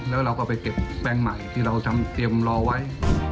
แล้วเราก็ไปเก็บแปลงใหม่ที่เราเตรียมรอไว้